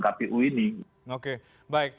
kpu ini oke baik